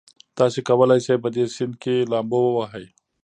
تاسي کولای شئ په دې سیند کې لامبو ووهئ.